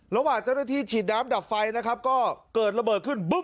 ระหว่างเจ้าหน้าที่ฉีดน้ำดับไฟนะครับก็เกิดระเบิดขึ้นบึ้ง